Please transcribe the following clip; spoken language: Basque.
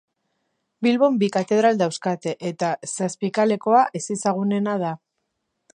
Bilbon bi katedral dauzkate eta Zapikaleetakoa ezezagunena da.